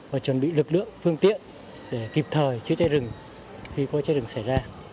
và chuẩn bị lực lượng phương tiện để kịp thời chữa tráy rừng khi có tráy rừng xảy ra